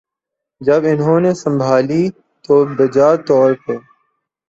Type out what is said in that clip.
جب انہوں نے سنبھالی تو بجا طور پہ